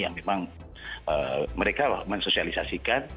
yang memang mereka mensosialisasikan